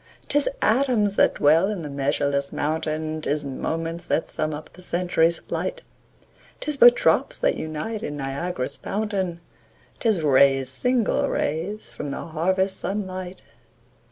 'Tis atoms that dwell in the measureless mountain, 'Tis moments that sum up the century's flight; 'Tis but drops that unite in Niagara's fountain, 'Tis rays, single rays, from the harvest sun light.